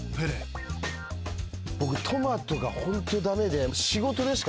僕トマトがホント駄目で。